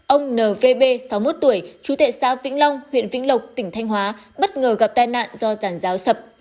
ông n v b sáu mươi một tuổi chú tệ xa vĩnh long huyện vĩnh lộc tỉnh thanh hóa bất ngờ gặp tàn nạn do giàn giáo sập